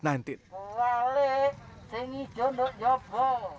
kalau kita berada di luar tubuh